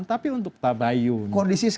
tapi untuk tabayu klarifikasi